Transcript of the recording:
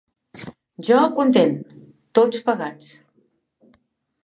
Jo content, tots pagats.